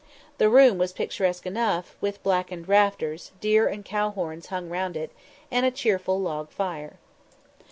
The room was picturesque enough, with blackened rafters, deer and cow horns hung round it, and a cheerful log fire.